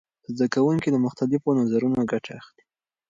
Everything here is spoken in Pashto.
زده کوونکي له مختلفو نظرونو ګټه اخلي.